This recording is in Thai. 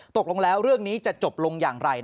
ตกลงแล้วเรื่องนี้จะจบลงอย่างไร